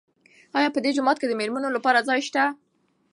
آیا په دې جومات کې د مېرمنو لپاره ځای شته؟